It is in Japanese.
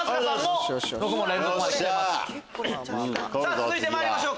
続いてまいりましょう。